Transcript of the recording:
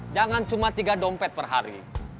jangan cuma tiga dompet per hari